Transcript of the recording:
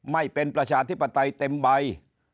ไม่เป็นประชาธิปไตยเต็มใบ